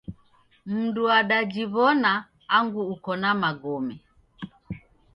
Mundu wadajiw'ona angu ukona magome.